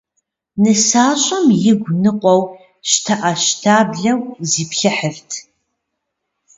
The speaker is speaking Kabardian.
Нысащӏэм игу ныкъуэу, щтэӏэщтаблэу зиплъыхьырт.